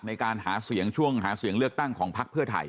ในการหาเสียงช่วงหาเสียงเลือกตั้งในพระพ่อเผอร์ไทย